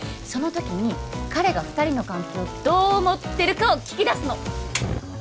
その時に彼が二人の関係をどう思ってるかを聞き出すの